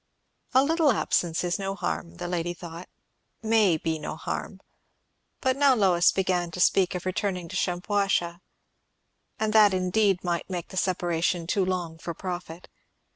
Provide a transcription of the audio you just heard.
A little absence is no harm, the lady thought; may be no harm. But now Lois began to speak of returning to Shampuashuh; and that indeed might make the separation too long for profit.